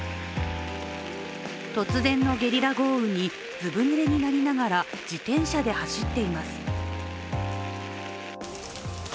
突然のゲリラ豪雨にずぶぬれになりながら、自転車で走っています。